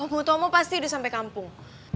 omong tomong pasti udah sampai kampung